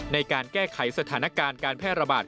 ในการแก้ไขสถานการณ์การแพร่ระบาด